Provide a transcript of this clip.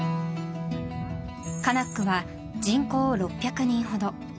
カナックは人口６００人ほど。